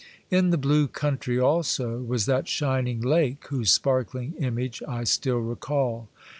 In the blue country also was that shining lake whose sparkling image I still recall.